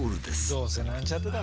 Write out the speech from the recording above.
どうせなんちゃってだろ